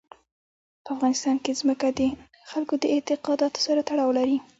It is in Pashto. په افغانستان کې ځمکه د خلکو د اعتقاداتو سره تړاو لري.